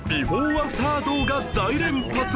アフター動画大連発！